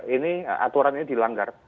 ini aturan ini dilanggar